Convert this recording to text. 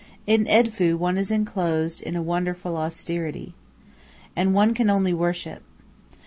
In Edfu one is enclosed in a wonderful austerity. And one can only worship.